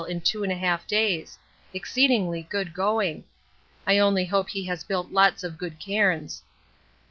in 2 1/2 days exceedingly good going. I only hope he has built lots of good cairns.